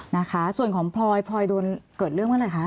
นะคะส่วนของพลอยพลอยโดนเกิดเรื่องเมื่อไหร่คะ